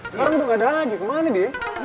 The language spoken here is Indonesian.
sekarang udah gak ada lagi kemana deh